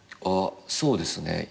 あっそうですね。